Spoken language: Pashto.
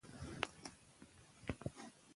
ډېرو ښځو خپلې زدهکړې بشپړې کړې دي.